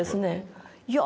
いや